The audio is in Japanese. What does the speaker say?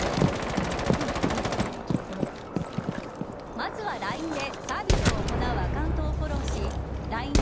まずはＬＩＮＥでサービスを行うアカウントをフォローしＬＩＮＥ